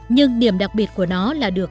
nhưng điểm đặc biệt của nó là được